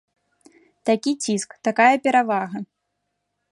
Такі ціск, такая перавага.